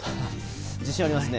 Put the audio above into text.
自信ありますね。